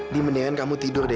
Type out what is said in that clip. dimendingan kamu tidur deh